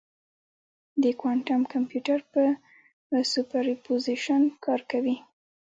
د کوانټم کمپیوټر په سوپرپوزیشن کار کوي.